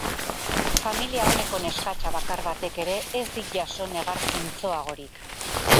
Familia oneko neskatxa bakar batek ere ez dik jaso negar zintzoagorik.